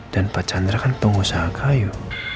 dan pak chandra kan pengusaha kayu